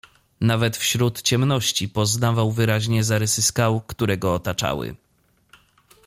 "Nawet wśród ciemności poznawał wyraźnie zarysy skał, które go otaczały."